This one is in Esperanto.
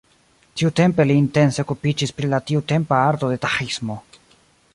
Tiutempe li intense okupiĝis pri la tiutempa arto de taĥismo.